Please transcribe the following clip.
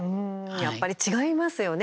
やっぱり違いますよね